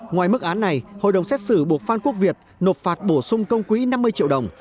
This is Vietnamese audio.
ngoài mức án này hội đồng xét xử buộc phan quốc việt nộp phạt bổ sung công quỹ năm mươi triệu đồng